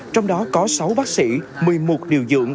trong đó có sáu bác sĩ một mươi một điều dưỡng